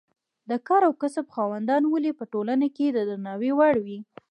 د کار او کسب خاوندان ولې په ټولنه کې د درناوي وړ وي.